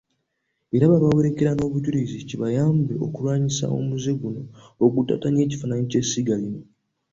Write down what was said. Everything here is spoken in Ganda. Era babaweereko n'obujulizi, kibayambe okulwanyisa omuze guno oguttattanye ekifaananyi ky'essiga lino.